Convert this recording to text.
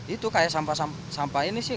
itu kayak sampah sampah ini sih